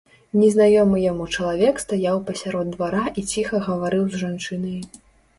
Незнаёмы яму чалавек стаяў пасярод двара і ціха гаварыў з жанчынай.